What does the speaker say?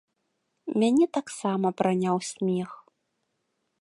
Мяне таксама праняў смех.